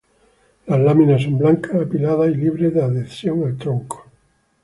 Las láminas son blancas, apiladas y libres de adhesión al tronco.